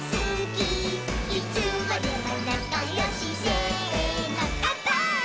「いつまでもなかよしせーのかんぱーい！！」